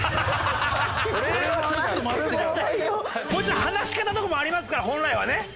もちろん話し方とかもありますから本来はね。